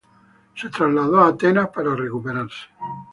Se trasladó a Atenas para recuperarse.